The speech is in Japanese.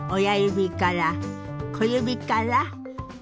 親指から小指から。